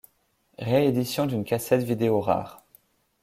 Réédition d'une cassette vidéo rare.